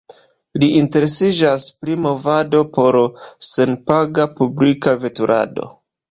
Li interesiĝas pri Movado por senpaga publika veturado.